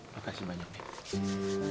makasih banyak nek